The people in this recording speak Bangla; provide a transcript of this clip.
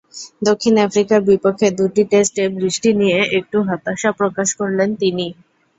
দক্ষিণ আফ্রিকার বিপক্ষে দুটি টেস্টে বৃষ্টি নিয়ে একটু হতাশাই প্রকাশ করলেন তিনি।